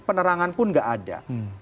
penerangan pun gak ada